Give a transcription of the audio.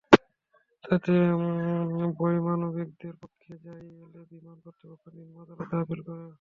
তাতে বৈমানিকদের পক্ষে রায় এলে বিমান কর্তৃপক্ষ নিম্ন আদালতে আপিল করে।